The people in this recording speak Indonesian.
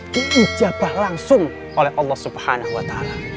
diijabah langsung oleh allah swt